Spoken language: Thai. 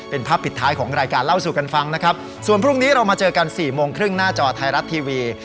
เป็นภาพปิดท้ายของรายการเล่าสู่กันฟังนะครับส่วนพรุ่งนี้เรามาเจอกันสี่โมงครึ่งหน้าจอไทยรัฐทีวี